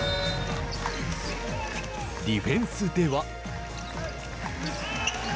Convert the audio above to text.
ディフェンスでは。